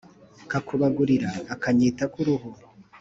Kakubagurira-Akanyita k'uruhu.